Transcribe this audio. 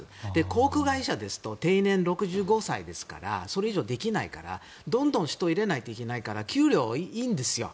航空会社ですと定年が６５歳ですからそれ以上できないからどんどん人を入れないといけないから給料、いいんですよ。